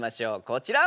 こちら！